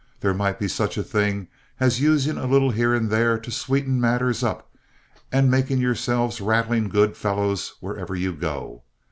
There might be such a thing as using a little here and there to sweeten matters up, and making yourselves rattling good fellows wherever you go.